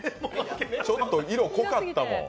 ちょっと色、濃かったもん。